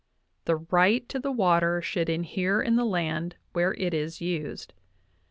... The right to the water should inhere in the land where it is used, .